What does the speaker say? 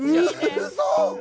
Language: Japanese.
うそ！？